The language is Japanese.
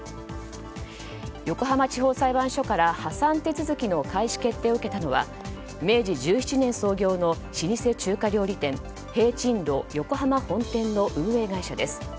横浜地方裁判所から破産手続きの開始決定を受けたのは明治１７年創業の老舗中華料理店聘珍樓横濱本店の運営会社です。